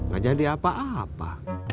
gak jadi apa apa